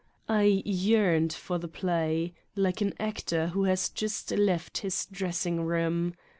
I yearned for the play, like an actor who has just left his dressing room.